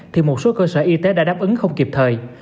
thì một số cơ sở y tế đã đáp ứng không kịp thời